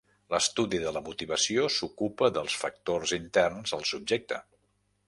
L'estudi de la motivació s'ocupa dels factors interns al subjecte.